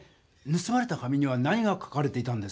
ぬすまれた紙には何が書かれていたんですか？